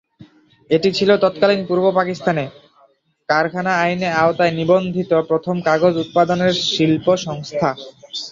এটি ছিল তৎকালীন পূর্ব পাকিস্তানে, কারখানা আইনের আওতায় নিবন্ধিত প্রথম কাগজ উৎপাদনের শিল্প সংস্থা।